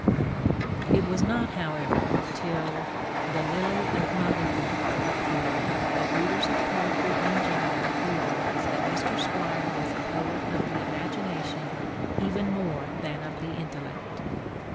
It was not, however, till The Lily of Malud appeared that readers of poetry in general realized that Mr. Squire was a poet of the imagination even more than of the intellect.